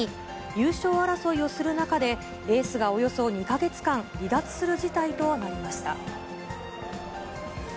優勝争いをする中で、エースがおよそ２か月間、離脱する事態となりました。